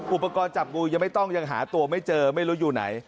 อุปกรณ์จับงูยังไม่ต้องยังหาตัวไม่เจอไม่รู้อยู่ไหน